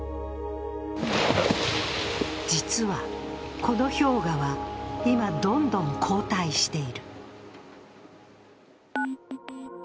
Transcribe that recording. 実はこの氷河は今、どんどん後退している。